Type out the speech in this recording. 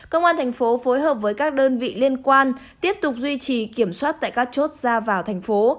công an thành phố phối hợp với các đơn vị liên quan tiếp tục duy trì kiểm soát tại các chốt ra vào thành phố